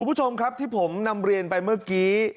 คุณผู้ชมครับที่ผมนำเรียนไปเมื่อกี้